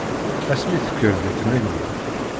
Ass mi tekker di tmanyin.